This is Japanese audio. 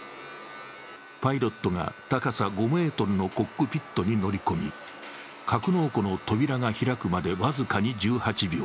パイロットが高さ５ｍのコックピットに乗り込み、格納庫の扉が開くまで僅かに１８秒。